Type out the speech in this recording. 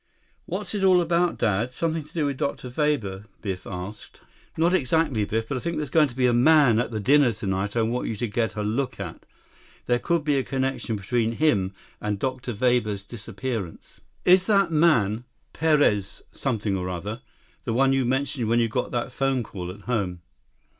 "What's it all about, Dad? Something to do with Dr. Weber?" Biff asked. "Not exactly, Biff. But I think there's going to be a man at the dinner tonight I want you to get a look at. There could be a connection between him and Dr. Weber's disappearance." 37 "Is it that man, Perez Something or other—the one you mentioned when you got that phone call at home?"